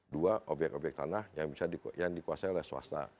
dua obyek obyek tanah yang bisa dikuasai oleh swasta